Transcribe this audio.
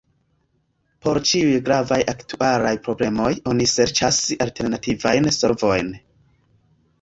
Por ĉiuj gravaj aktualaj problemoj oni serĉas alternativajn solvojn.